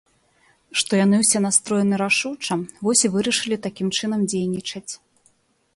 Што яны ўсе настроеныя рашуча, вось і вырашылі такім чынам дзейнічаць.